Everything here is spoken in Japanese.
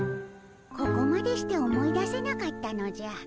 ここまでして思い出せなかったのじゃ。